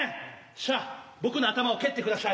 しゃあ僕の頭を蹴ってくだしゃい。